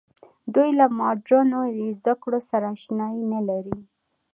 دوی له مډرنو زده کړو سره اشنايي نه لري.